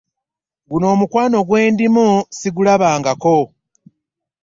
Guno omukwano gwe ndimu ssigulabangako!